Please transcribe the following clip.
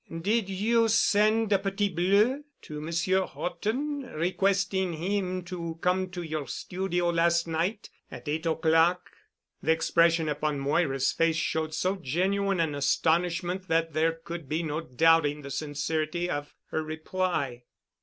Did you send a Petit Bleu to Monsieur Horton requesting him to come to your studio last night at eight o'clock?" The expression upon Moira's face showed so genuine an astonishment that there could be no doubting the sincerity of her reply.